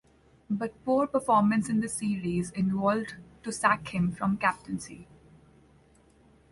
But poor performance in the series involved to sack him from captaincy.